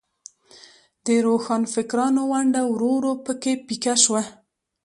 د روښانفکرانو ونډه ورو ورو په کې پیکه شوه.